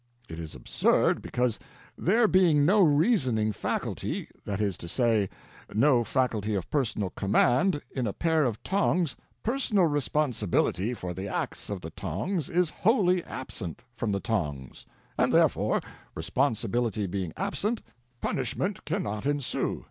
It is absurd because, there being no reasoning faculty—that is to say, no faculty of personal command—in a pair of tongs, personal responsibility for the acts of the tongs is wholly absent from the tongs; and, therefore, responsibility being absent, punishment cannot ensue.